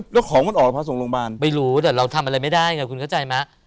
แล้วของมันออกมาส่งโรงพยาบาลไม่รู้แต่เราทำอะไรไม่ได้ไงคุณเข้าใจไหม